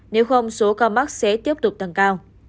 nếu không số ca mắc sẽ tiếp tục tăng cao